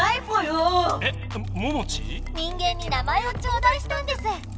人間に名前をちょうだいしたんです。